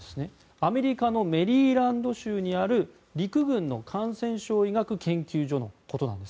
アメリカのメリーランド州にある陸軍の感染症医学研究所のことなんです。